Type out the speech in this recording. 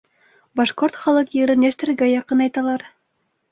Башҡорт халыҡ йырын йәштәргә яҡынайталар.